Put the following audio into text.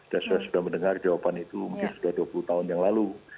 saya sudah mendengar jawaban itu mungkin sudah dua puluh tahun yang lalu